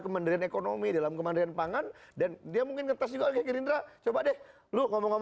kemandirian ekonomi dalam kemandirian pangan dan dia mungkin kertas juga gerindra coba deh lu ngomong